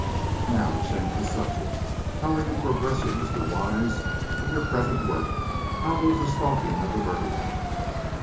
"Now, to change the subject, how are you progressing, Mr. Wise, with your present work? How goes the stalking of the murderer?"